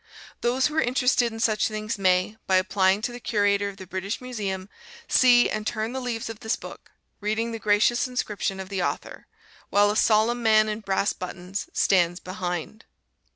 Those who are interested in such things may, by applying to the Curator of the British Museum, see and turn the leaves of this book, reading the gracious inscription of the author, while a solemn man in brass buttons stands behind.